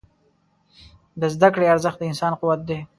د زده کړې ارزښت د انسان قوت دی.